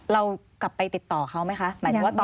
เรากลับไปติดต่อเขาไหมคะ